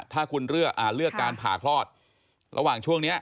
ถ้าคุณเลือกการผ่าคลอดระหว่างช่วงนี้